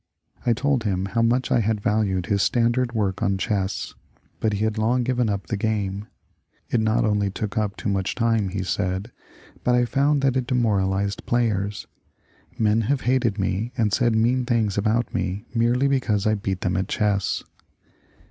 I told him how much I had valued his standard work on Chess, but he had long given up the game. It not only took up too much time," he said, ^^ but I found that it demoralized players. Men have hated me and said mean things about me merely because I beat them at chess."